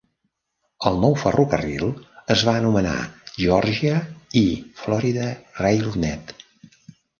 El nou ferrocarril es va anomenar Georgia i Florida RailNet.